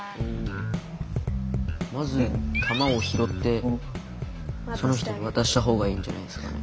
まず玉を拾ってその人に渡した方がいいんじゃないですかね。